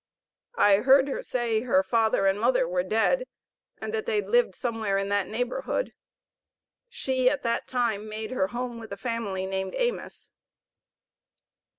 I heard her say her father and mother were dead, and that they lived somewhere in that neighborhood; she at that time made her home with a family named Amos.